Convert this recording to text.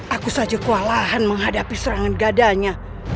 aku saja kewalahan menghadapi serangan dadanya